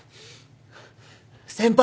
先輩！